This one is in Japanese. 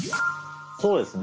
そうですね。